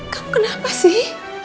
kamu kenapa sih